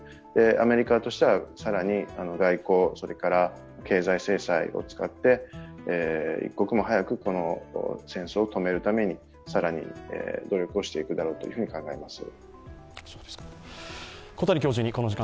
アメリカとしては更に外交、経済制裁を使って一刻も早く、この戦争を止めるために更に努力をしていくだろうというふうに考えます。